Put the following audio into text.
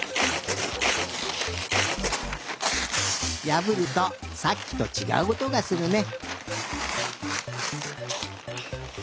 やぶるとさっきとちがうおとがするね。